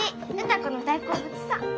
歌子の大好物さ。